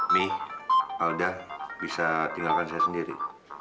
mi alda bisa tinggalkan saya sendiri